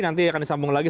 nanti akan disambung lagi